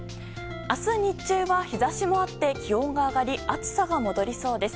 明日、日中は日差しもあって気温が上がり暑さが戻りそうです。